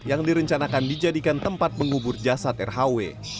yang direncanakan dijadikan tempat mengubur jasad rhw